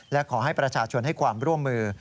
และขอให้ประชาชนให้ความร่วมมือ